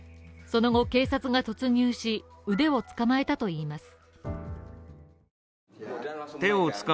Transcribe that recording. その後警察が突入し、腕を捕まえたといいます。